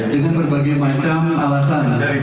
dengan berbagai macam alasan